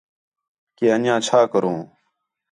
کہ اَن٘ڄیاں چَھا کروں